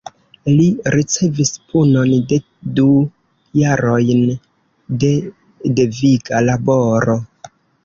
Li ricevis punon de du jarojn de deviga laboro.